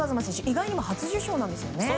意外にも初受賞なんですよね。